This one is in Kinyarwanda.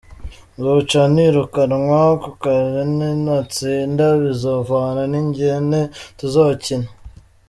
Nzoca nirukanwa ku kazi nintatsinda? Bizovana n'ingene tuzokina.